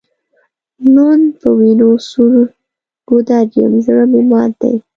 لوند په وینو سور ګودر یم زړه مي مات دی